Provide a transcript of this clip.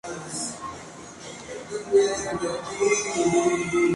La estatua se ubica sobre una explanada plana que sirve de plaza.